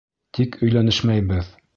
Тик өйләнешмәйбеҙ.